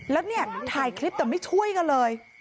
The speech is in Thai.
แล้วเนี่ยถ่ายคลิปแต่ไม่ช่วยกันเลย